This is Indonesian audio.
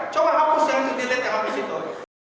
coba hapus yang di delete sama visitor